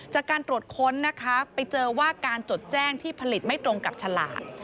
จากการตรวจค้นนะคะไปเจอว่าการจดแจ้งที่ผลิตไม่ตรงกับฉลาก